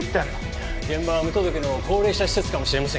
現場は無届けの高齢者施設かもしれません。